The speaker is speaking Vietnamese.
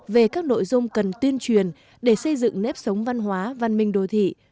về các nội dung cần tuyên truyền để xây dựng nếp sống văn hóa văn minh đô thị